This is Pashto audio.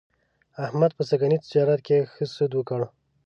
احمد په سږني تجارت کې ښه سود وکړ.